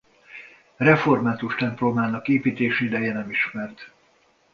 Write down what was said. Református templomának építési ideje nem ismert.